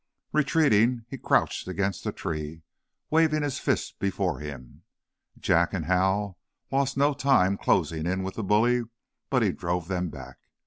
Retreating, he crouched against a tree, waving his fists before him. Jack and Hal lost no time closing in with the bully, but he drove them back.